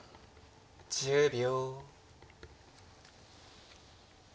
１０秒。